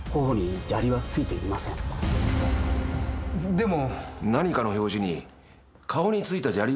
でも。